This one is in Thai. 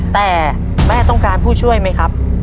แต่แม่ต้องการผู้ช่วยไหมครับ